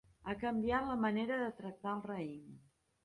Ha canviat la manera de tractar el raïm?